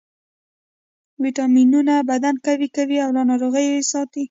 ویټامینونه بدن قوي کوي او له ناروغیو یې ساتي